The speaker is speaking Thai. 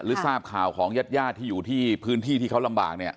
ทราบข่าวของญาติญาติที่อยู่ที่พื้นที่ที่เขาลำบากเนี่ย